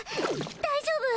大丈夫！？